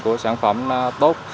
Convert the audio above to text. của sản phẩm tốt